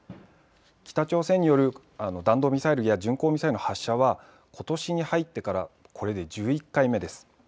北朝鮮による弾道ミサイルや巡航ミサイルの発射はことしに入ってからこれで１１回目です。